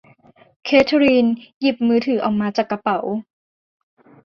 เคทลีนหยิบมือถือออกมาจากกระเป๋า